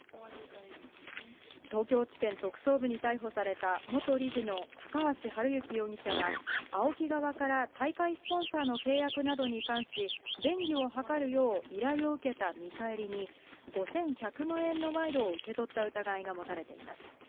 東京地検特捜部に逮捕された元理事の高橋治之容疑者は、ＡＯＫＩ側から大会スポンサーの契約などに関し、便宜を図るよう依頼を受けた見返りに、５１００万円の賄賂を受け取った疑いが持たれています。